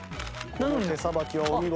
この手さばきはお見事。